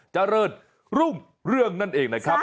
เจริญรุ่งเรื่องนั่นเองนะครับ